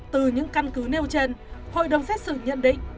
từ những căn cứ nêu trên hội đồng xét xử nhận định